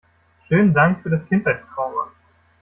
Schönen Dank für das Kindheitstrauma!